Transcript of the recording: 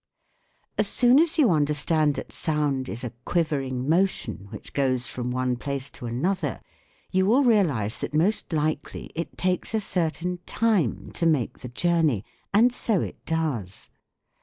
As soon as you understand that sound is a quivering motion which goes from one place to another you will realise that most likely it takes a certain time to make the journey, and so it does.